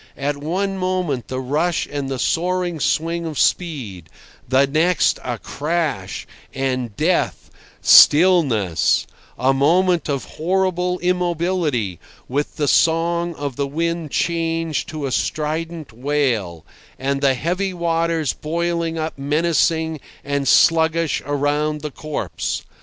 At one moment the rush and the soaring swing of speed; the next a crash, and death, stillness—a moment of horrible immobility, with the song of the wind changed to a strident wail, and the heavy waters boiling up menacing and sluggish around the corpse.